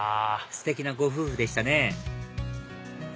ステキなご夫婦でしたね